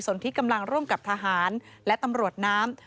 ส่วนที่กำลังร่วมกับทหารและตำรวจน้ำ